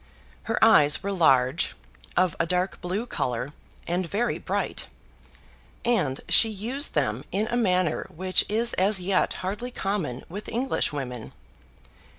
Her eyes were large, of a dark blue colour, and very bright, and she used them in a manner which is as yet hardly common with Englishwomen.